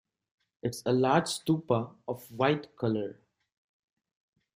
It is a large stupa of white color.